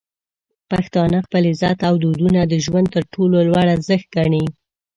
پښتانه خپل عزت او دودونه د ژوند تر ټولو لوړ ارزښت ګڼي.